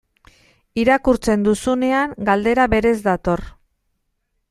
Irakurtzen duzunean, galdera berez dator.